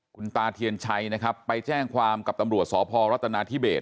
คุณตาเทียนชัยนะครับไปแจ้งความกับตำรวจสพรัฐนาธิเบส